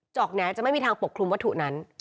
อกแหนจะไม่มีทางปกคลุมวัตถุนั้น